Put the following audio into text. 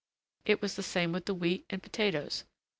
It was the same with the wheat and potatoes.